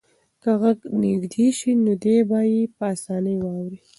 که غږ نږدې شي نو دی به یې په اسانۍ واوري.